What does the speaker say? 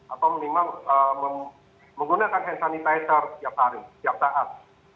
atau memang menggunakan hand sanitizer tiap hari tiap saat